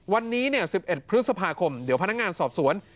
วันนี้๑๑พฤษภาคมเดี๋ยวพนักงานสอบสวน